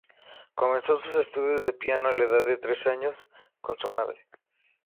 Comenzó sus estudios de piano a la edad de tres años con su madre.